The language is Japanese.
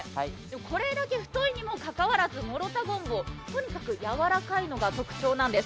これだけ太いにもかかわらず諸田ごんぼう、とにかくやわらかいのが特徴なんです。